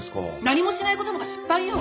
何もしないことの方が失敗よ！